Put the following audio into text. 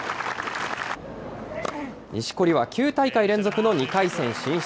錦織は９大会連続の２回戦進出。